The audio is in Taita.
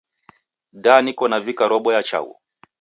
Da niko navika robo ya chaghu